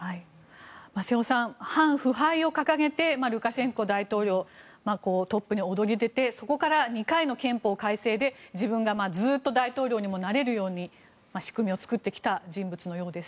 瀬尾さん、反腐敗を掲げてルカシェンコ大統領トップに躍り出てそこから２回の憲法改正で自分がずっと大統領になれるような仕組みを作ってきた人物のようです。